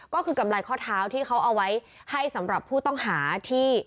ก็คือกำไรข้อเท้าที่เขาเอาไว้ให้สำหรับผู้ต้องหาที่